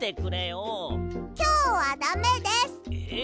きょうはダメです。え！